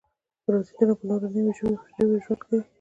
پرازیتونه په نورو ژویو ژوند کوي